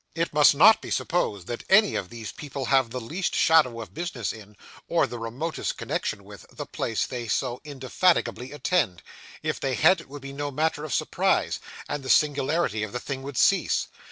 It must not be supposed that any of these people have the least shadow of business in, or the remotest connection with, the place they so indefatigably attend. If they had, it would be no matter of surprise, and the singularity of the thing would cease.